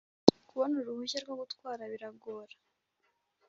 Kubona uruhushya rwogutwara biragora